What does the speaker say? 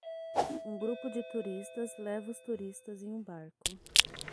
Um grupo de turistas leva os turistas em um barco.